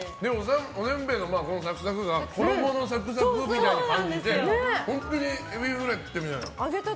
おせんべいのサクサクが衣のサクサクみたいに感じて本当にエビフライ食ってるみたい。